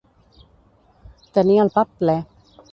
Tenir el pap ple.